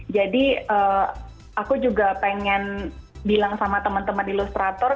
jadi aku juga pengen bilang sama teman teman ilustrator